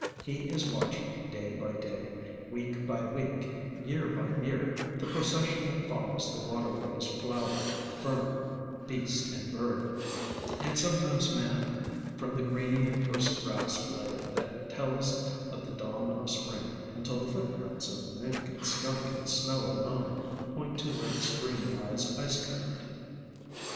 He is watching day by day, week by week, year by year, the procession that follows the waterways — flower, fern, beast and bird, and sometimes man, from the greening of the first grass blade that tells of the dawn of Spring, until the footprints of mink and skunk in the snow alone point to where the stream lies ice covered.